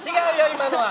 今のは！